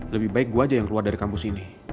lebih baik gue aja yang keluar dari kampus ini